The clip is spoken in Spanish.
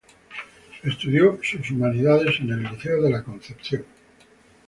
Estudió sus humanidades en el Liceo de Concepción.